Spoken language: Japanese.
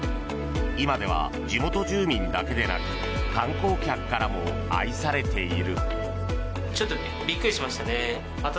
今では地元住民だけでなく観光客からも愛されている。